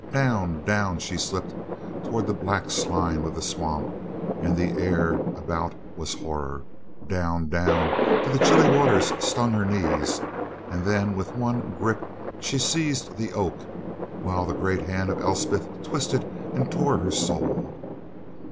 Down, down she slipped toward the black slime of the swamp, and the air about was horror down, down, till the chilly waters stung her knees; and then with one grip she seized the oak, while the great hand of Elspeth twisted and tore her soul.